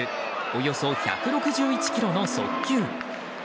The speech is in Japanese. およそ１６１キロの速球。